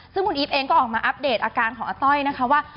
ซึ่งคุณอีฟเองก็ออกมาอัปเดตอาการของอาต้อยนะคะว่า